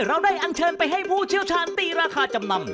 เราได้อันเชิญไปให้ผู้เชี่ยวชาญตีราคาจำนำ